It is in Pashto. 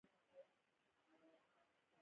د رحم د درد لپاره کومه کڅوړه وکاروم؟